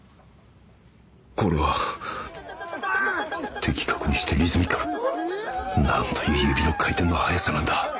これは的確にしてリズミカルなんという指の回転の速さなんだ